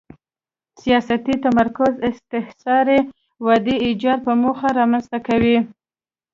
سیاسي تمرکز استثاري ودې ایجاد په موخه رامنځته کوي.